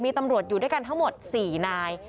มีตำรวจอยู่ด้วยกันทั้งหมด๔นาย